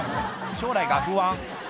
将来が不安